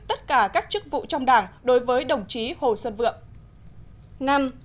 tất cả các chức vụ trong đảng đối với đồng chí hồ xuân vượng